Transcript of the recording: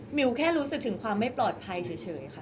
วแค่รู้สึกถึงความไม่ปลอดภัยเฉยค่ะ